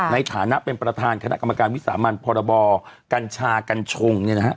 ในฐานะเป็นประธานคณะกรรมการวิสามันพรบกัญชากัญชงเนี่ยนะฮะ